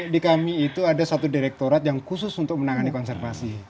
di kami itu ada satu direktorat yang khusus untuk menangani konservasi